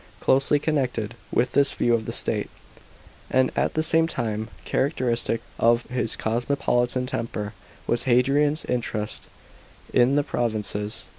Closely connected with this view of the state, and at the same time characteristic of 494 THE PRINC1PATE OF HADRIAN. CHAP. his cosmopolitan temper, was Hadrian's interest in the provinces.